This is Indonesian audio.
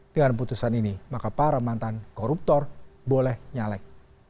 dengan putusan ini maka para mantan koruptor boleh nyalek